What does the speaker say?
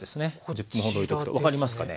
１０分ほどおいとくと分かりますかね。